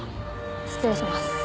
失礼します。